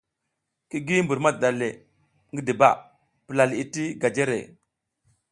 Ki gi mbur madiɗa le ngidiba, pula liʼi ti gajere.